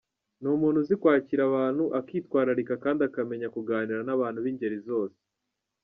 Ni umuntu uzi kwakira abantu, akitwararika kandi akamenya kuganira n’abantu b’ingeri zose.